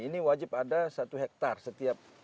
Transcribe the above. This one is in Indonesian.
ini wajib ada satu hektare setiap